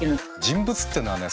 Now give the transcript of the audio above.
人物っていうのはね